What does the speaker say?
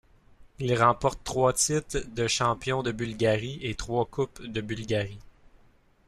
Il remporte trois titres de champion de Bulgarie, et trois Coupes de Bulgarie.